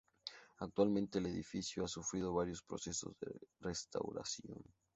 Actualmente el edificio ha sufrido varios procesos de restauración.